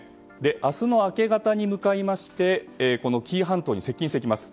明日の明け方に向かいましてこの紀伊半島に接近していきます。